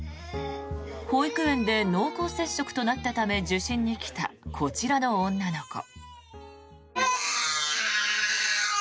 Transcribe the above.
保育園で濃厚接触者となったため受診に来たこちらの女の子。